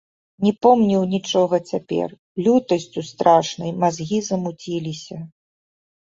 Не помніў нічога цяпер, лютасцю страшнай мазгі замуціліся.